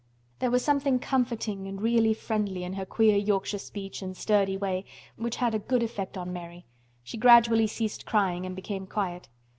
There was something comforting and really friendly in her queer Yorkshire speech and sturdy way which had a good effect on Mary. She gradually ceased crying and became quiet.